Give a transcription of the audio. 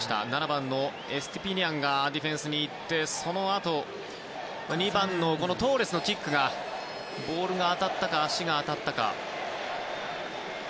７番のエストゥピニャンがディフェンスに行ってそのあと２番のトーレスのキックがボールが当たったか足が当たったか。